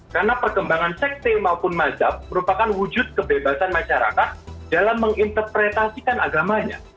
karena perkembangan sekte maupun mazhab merupakan wujud kebebasan masyarakat dalam menginterpretasikan agamanya